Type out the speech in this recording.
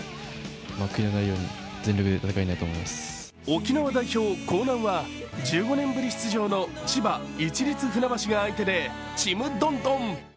沖縄代表、興南は１５年ぶり出場の千葉・市立船橋が相手でちむどんどん。